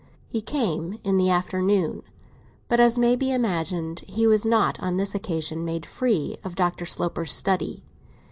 He came in the afternoon; but, as may be imagined, he was not on this occasion made free of Dr. Sloper's study.